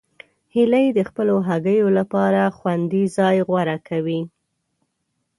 هیلۍ د خپلو هګیو لپاره خوندي ځای غوره کوي